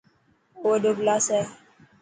اي وڏو گلاس هي.